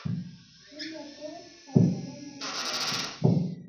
دومره تود هرکلی نه و شوی.